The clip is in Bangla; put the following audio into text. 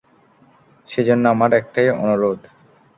সেজন্য আমার একটাই অনুরোধ।